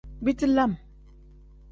Biti lam.